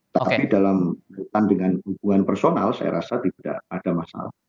tapi dalam kaitan dengan hubungan personal saya rasa tidak ada masalah